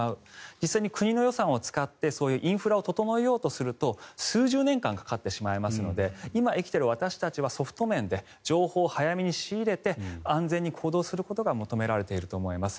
実際に国の予算を使ってそういうインフラを整えようとすると数十年間かかってしまいますので今、生きている私たちはソフト面で情報を早めに仕入れて安全に行動することが求められていると思います。